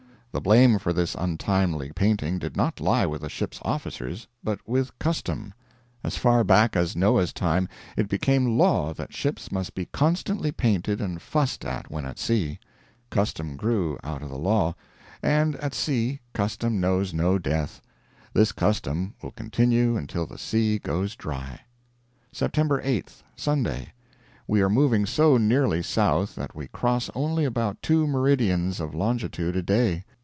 The blame for this untimely painting did not lie with the ship's officers, but with custom. As far back as Noah's time it became law that ships must be constantly painted and fussed at when at sea; custom grew out of the law, and at sea custom knows no death; this custom will continue until the sea goes dry. Sept. 8. Sunday. We are moving so nearly south that we cross only about two meridians of longitude a day.